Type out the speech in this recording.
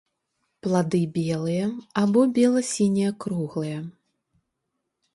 Плады белыя або бела-сінія круглыя.